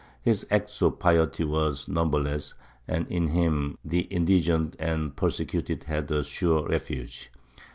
His acts of piety were numberless, and in him the indigent and the persecuted had a sure refuge.